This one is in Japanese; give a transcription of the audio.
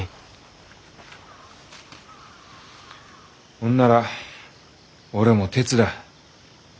ほんなら俺も手伝う。